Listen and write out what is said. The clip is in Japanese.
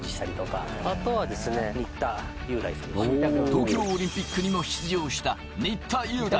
東京オリンピックにも出場した新田祐大。